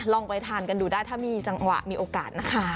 ลองไปทานกันดูได้ถ้ามีจังหวะมีโอกาสนะคะ